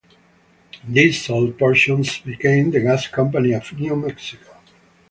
These sold portions became the Gas Company of New Mexico.